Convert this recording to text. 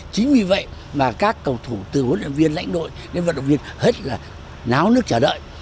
chính vì vậy mà các cầu thủ từ huấn luyện viên lãnh đội đến vận động viên hết là náo nước chờ đợi